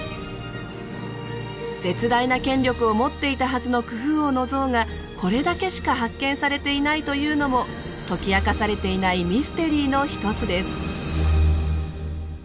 絶大な権力を持っていたはずのクフ王の像がこれだけしか発見されていないというのも解き明かされていないミステリーの一つです。